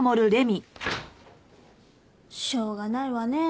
しょうがないわねえ